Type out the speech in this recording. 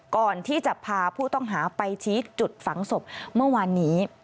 ก่อนที่จะพาผู้ต้องหาไปชี้จุดฝังศพเมื่อวานนี้